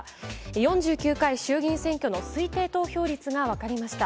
４９回衆議院選挙の推定投票率が分かりました。